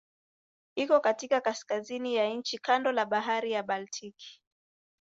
Iko katika kaskazini ya nchi kando la Bahari ya Baltiki.